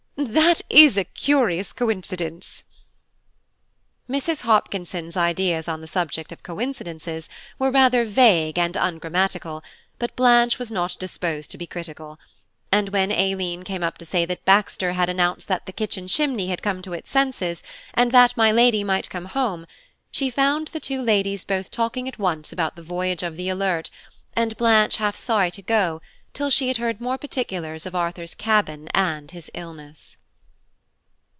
That is a curious coincidence!" Mrs. Hopkinson's ideas on the subject of coincidences were rather vague and ungrammatical, but Blanche was not disposed to be critical; and when Aileen came up to say that Baxter had announced that the kitchen chimney had come to its senses, and that my Lady might come home–she found the two ladies both talking at once about the voyage of the Alert, and Blanche half sorry to go till she had heard more particulars of Arthur's cabin and his illness.